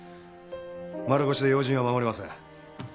丸腰で要人は護れません。